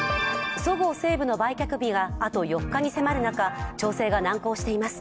そごう・西武に売却日があと４日に迫る中、調整が難航しています。